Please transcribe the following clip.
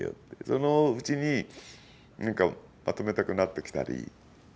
そのうちまとめたくなってきたり